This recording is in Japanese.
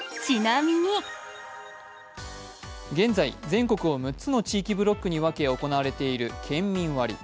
現在、全国を６つの地域ブロックに分け行われている県民割。